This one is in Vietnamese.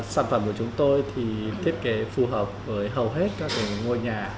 sản phẩm của chúng tôi thì thiết kế phù hợp với hầu hết các ngôi nhà